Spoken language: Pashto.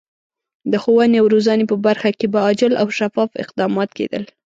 د ښوونې او روزنې په برخه کې به عاجل او شفاف اقدامات کېدل.